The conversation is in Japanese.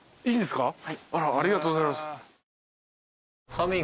いいんですか？